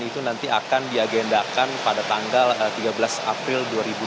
itu nanti akan diagendakan pada tanggal tiga belas april dua ribu dua puluh